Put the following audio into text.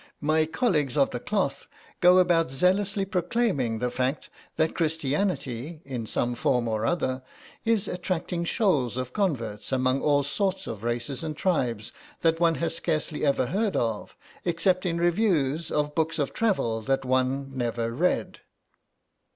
My colleagues of the cloth go about zealously proclaiming the fact that Christianity, in some form or other, is attracting shoals of converts among all sorts of races and tribes, that one had scarcely ever heard of, except in reviews of books of travel that one never read.